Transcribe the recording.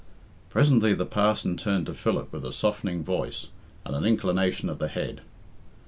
Presently the parson turned to Philip with a softening voice and an inclination of the head.